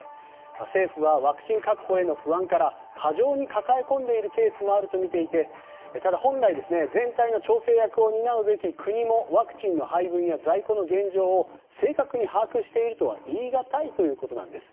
政府はワクチン確保への不安から過剰に抱え込んでいるケースもあるとみていて、ただ本来全体の調整役を担うべき国も、ワクチンの配分や在庫の現状を正確に把握しているとは言い難いというなんことです。